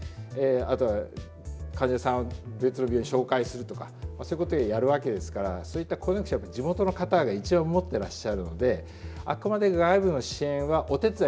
あとは患者さん別の病院紹介するとかそういうことをやるわけですからそういったコネクション地元の方が一番持ってらっしゃるのであくまで外部の支援はお手伝いなんです。